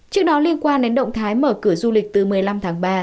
trước đó liên quan đến động thái mở cửa du lịch từ một mươi năm tháng ba